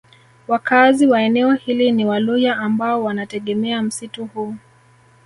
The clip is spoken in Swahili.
Wakaazi wa eneo hili ni Waluhya ambao wanategemea msitu huu